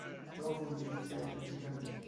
Dort wurde sie gequält und schikaniert.